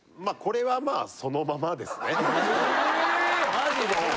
・マジで！？